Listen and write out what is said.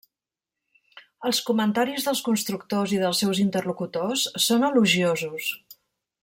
Els comentaris dels constructors i dels seus interlocutors són elogiosos.